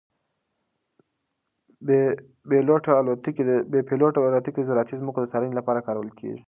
بې پیلوټه الوتکې د زراعتي ځمکو د څارنې لپاره کارول کیږي.